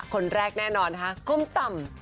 คนแรกแน่นอนนะคะก้มต่ำ